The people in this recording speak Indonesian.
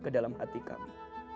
ke dalam hati kami